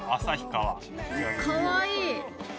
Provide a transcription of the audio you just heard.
かわいい。